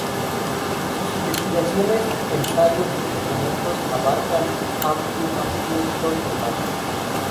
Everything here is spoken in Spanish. Sus investigaciones, ensayos y documentos abarcan un amplio ámbito temático.